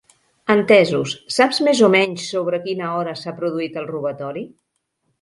Entesos, saps més o menys sobre quina hora s'ha produït el robatori?